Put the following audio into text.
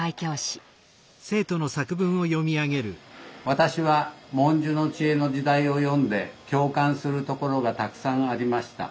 「私は『“文殊の知恵”の時代』を読んで共感するところがたくさんありました」。